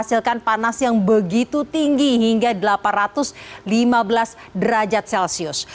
hasilkan panas yang begitu tinggi hingga delapan ratus lima belas derajat celcius